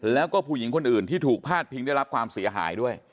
แล้วก็ผู้หญิงคนอื่นที่ถูกพาดพิงได้รับความเสียหายด้วย